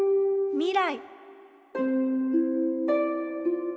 未来！